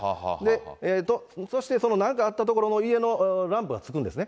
そうして、そのなんかあった所の家のランプがつくんですね。